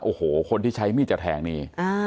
โอ้โหคนที่ใช้มีดจะแทงนี่